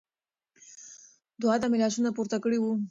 دعا ته مې لاسونه پورته کړي وو.